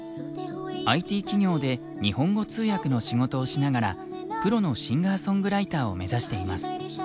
ＩＴ企業で日本語通訳の仕事をしながらプロのシンガーソングライターを目指しています。